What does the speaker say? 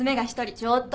ちょっと。